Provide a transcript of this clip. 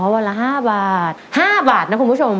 วันละ๕บาท๕บาทนะคุณผู้ชม